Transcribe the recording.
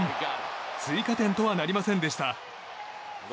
追加点とはなりませんでした。